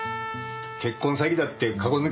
結婚詐欺だってかごぬけ